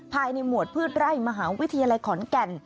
ภายในหมวดพืชไหร่มหาวิทยาลัยขอนแก่ง